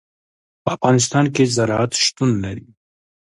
په افغانستان کې زراعت شتون لري.